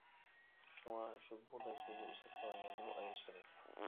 شۇڭا شۇ بۇغداي سۆزنى ئىشلىتىدىغان يەرنىمۇ ئايرىش كېرەك.